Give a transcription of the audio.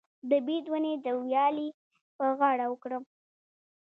د بید ونې د ویالې په غاړه وکرم؟